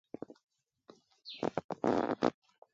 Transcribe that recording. Chini ni baʼ kɨkaʼ susuŋ lɛ.